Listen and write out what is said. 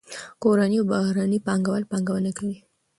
کورني او بهرني پانګه وال پانګونه کوي.